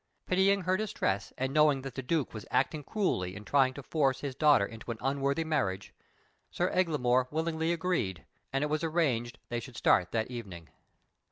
Pitying her distress, and knowing that the Duke was acting cruelly in trying to force his daughter into an unworthy marriage, Sir Eglamour willingly agreed, and it was arranged they should start that evening.